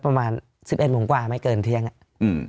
ประมาณสิบเอ็ดโมงกว่าไม่เกินเที่ยงอ่ะอืม